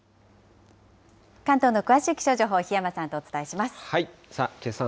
関東の詳しい気象情報、檜山さんとお伝えします。